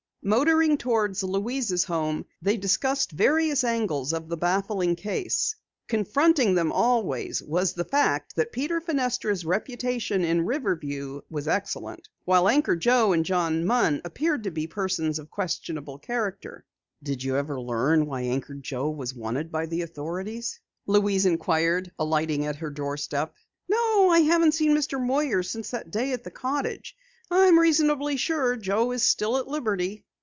Motoring toward Louise's home, they discussed various angles of the baffling case. Confronting them always was the fact that Peter Fenestra's reputation in Riverview was excellent, while Anchor Joe and John Munn appeared to be persons of questionable character. "You never learned why Joe was wanted by the authorities?" Louise inquired, alighting at her doorstep. "No, I haven't seen Mr. Moyer since that day at the cottage. I'm reasonably sure Joe is still at liberty."